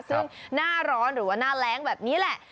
ซึ่งหน้าร้อนหรือว่าหน้าแรงแบบนี้แหละ